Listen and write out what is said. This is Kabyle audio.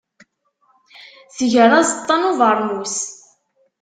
Tger aẓeṭṭa n ubeṛnus.